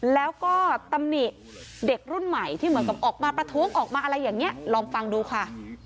แล้วก็ตำหนิเด็กรุ่นใหม่ที่เหมือนกับออกมาประท้วงออกมาอะไรอย่างนี้ลองฟังดูค่ะ